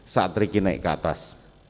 saat riki naik ke atas